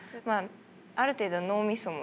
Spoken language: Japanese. ある程度脳みそね。